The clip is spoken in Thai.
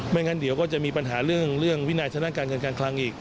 งั้นเดี๋ยวก็จะมีปัญหาเรื่องวินัยชนะการเงินการคลังอีก